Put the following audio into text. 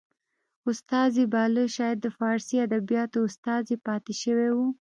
استاد یې باله شاید د فارسي ادبیاتو استاد یې پاته شوی و